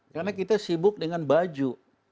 karena kita sibuk dengan baju